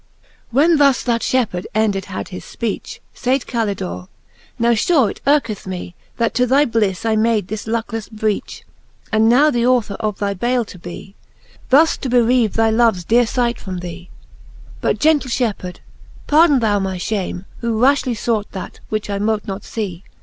xxix. When thus that fhepheard ended had his Ipeach, Said Calidore ; Now fure it yrketh mee. That to thy blifle I made this lucklefle breach, As now the author of thy bale to be, Thus to bereave thy loves deare fight from thee : But, gentle ihepheard, pardon thou my fhamc, Who raftily fought that, which I mote not fee.